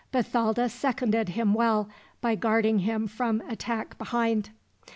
Bathalda seconded him well, by guarding him from attack behind.